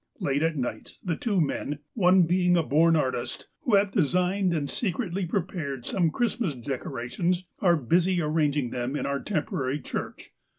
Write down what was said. Late at night, the two men, — one being a born artist, — who have designed and secretly prepared some Christmas decorations, are busy arranging them in our temporary church.